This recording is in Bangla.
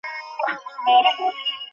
তিনি একজন সফল সেনাপতি ছিলেন।